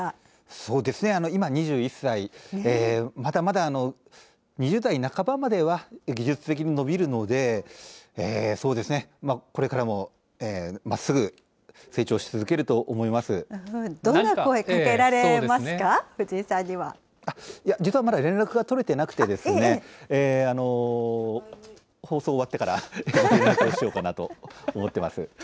そうですね、今２１歳、まだまだ２０代半ばまでは技術的に伸びるので、そうですね、これからもまっすぐ成長し続けると思いまどんな声かけられますか、藤実はまだ連絡が取れてなくて、放送終わってから連絡しようかなと思ってます。